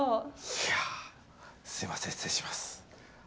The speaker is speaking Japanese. いやすいません失礼します。